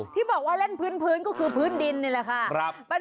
ที่บอกว่าเล่นพื้นก็คือพื้นดินนี่แหละค่ะ